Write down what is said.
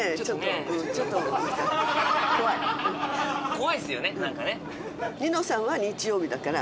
怖いですよね何かね。